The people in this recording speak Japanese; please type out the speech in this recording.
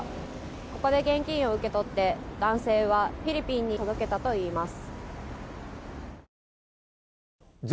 ここで現金を受け取って、男性はフィリピンに届けたといいます。